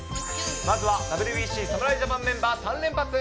まずはＷＢＣ侍ジャパンメンバー３連発。